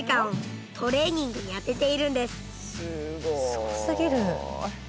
すごすぎる。